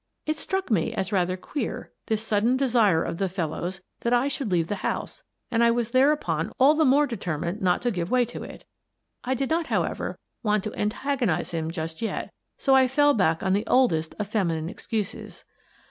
It struck me as rather queer, this sudden desire of the fellow's that I should leave the house, and I was thereupon all the more determined not to give way to it. I did not, however, want to an tagonize him just yet, so I fell back on the oldest of feminine excuses.